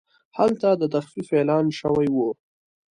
هلته د تخفیف اعلان شوی و.